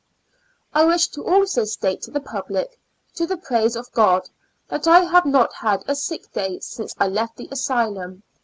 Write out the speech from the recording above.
I wish to also state to the public, to the praise of God, that I have not had a sick. day since I left the asylum.